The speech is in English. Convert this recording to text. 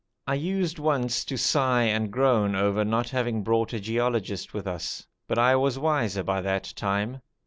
I used once to sigh and groan over not having brought a geologist with us, but I was wiser by that time.